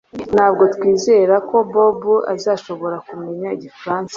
Ntabwo twizera ko Bobo azashobora kumenya igifaransa